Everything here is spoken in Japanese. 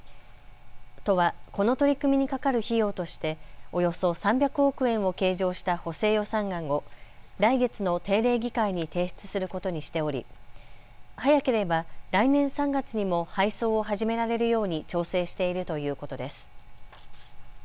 都はこの取り組みにかかる費用としておよそ３００億円を計上した補正予算案を来月の定例議会に提出することにしており早ければ来年３月にも配送を始められるように調整しているということです。